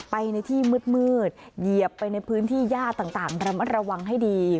ไปในที่มืดเหยียบไปในพื้นที่ย่าต่างระมัดระวังให้ดี